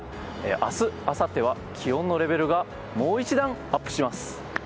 明日、あさっては気温のレベルがもう１段アップします。